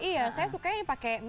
iya saya sukanya ini pakai mie